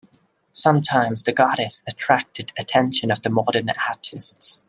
Sometimes the goddess attracted attention of the modern artists.